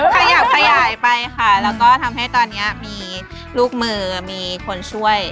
ขยับขยายไปค่ะแล้วก็ทำให้ตอนนี้มีลูกมือมีคนช่วย